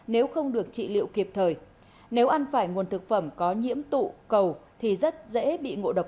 nếu không được trị liệu kịp thời nếu ăn phải nguồn thực phẩm có nhiễm tụ cầu thì rất dễ bị ngộ độc